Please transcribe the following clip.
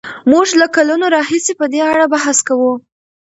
موږ له کلونو راهیسې په دې اړه بحث کوو.